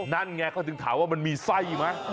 นั่นไงเขาถึงถามว่ามันมีไส้ไหม